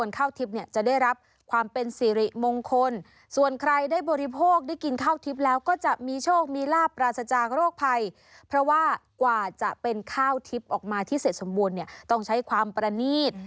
ข้าวทิพย์ออกมาที่เสร็จสมบูรณ์ต้องใช้ความประณีต